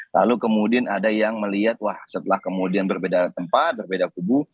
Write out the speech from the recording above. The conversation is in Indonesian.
lalu kemudian ada yang melihat wah setelah kemudian berbeda tempat berbeda kubu